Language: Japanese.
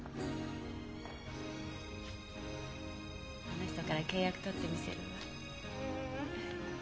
あの人から契約とってみせるわ。